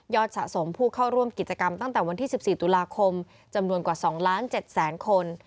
สะสมผู้เข้าร่วมกิจกรรมตั้งแต่วันที่๑๔ตุลาคมจำนวนกว่า๒ล้าน๗แสนคน